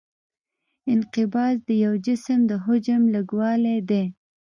انقباض د یو جسم د حجم لږوالی دی.